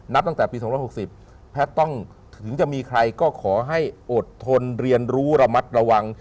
ตั้งแต่ปี๒๖๐แพทย์ต้องถึงจะมีใครก็ขอให้อดทนเรียนรู้ระมัดระวัง